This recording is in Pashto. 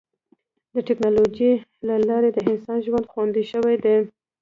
د ټکنالوجۍ له لارې د انسان ژوند خوندي شوی دی.